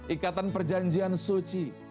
ikatan perjanjian suci